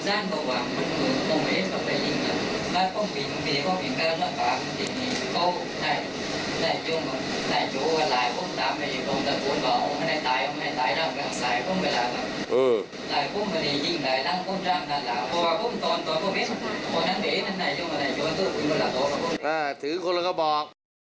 ถือคนแล้วก็บอก